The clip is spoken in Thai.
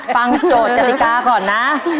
วางโจทย์อธิกาก่อนนะ